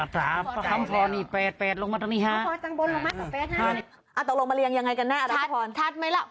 ต้องลงมาเรียงยังไงกันน่ะทราบไหมละ